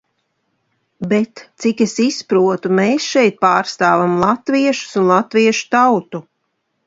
Bet, cik es izprotu, mēs šeit pārstāvam latviešus un latviešu tautu.